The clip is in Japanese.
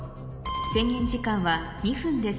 制限時間は２分です